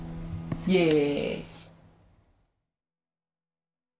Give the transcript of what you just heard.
イエーイ！